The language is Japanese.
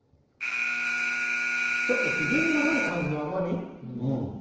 ちょっと気品がある感じの甘み。